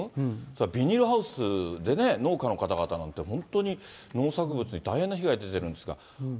それからビニールハウスでね、農家の方々なんて、本当に農作物に大変な被害出てるんですが。